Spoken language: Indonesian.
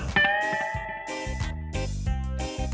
yang pertama masuk akal